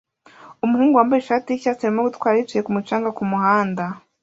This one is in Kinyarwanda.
Umuhungu wambaye ishati yicyayi arimo gutwara yicaye kumu canga kumuhanda